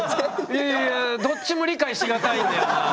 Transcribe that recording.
いやいやいやいやどっちも理解し難いんだよなあ。